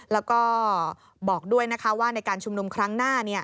แล้วก็บอกด้วยนะคะว่าในการชุมนุมครั้งหน้า